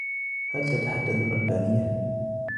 هل تتحدث الألبانية؟